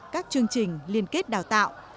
các chương trình liên kết đào tạo